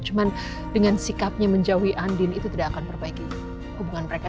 cuma dengan sikapnya menjauhi andin itu tidak akan perbaiki hubungan mereka